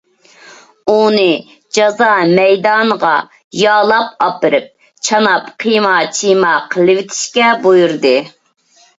ئۇنى جازا مەيدانىغا يالاپ ئاپىرىپ، چاناپ قىيما - چىيما قىلىۋېتىشكە بۇيرۇدى.